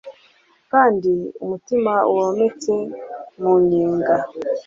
Kandi umutima wometse mu nyenga